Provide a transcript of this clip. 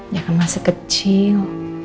jangan masih kecil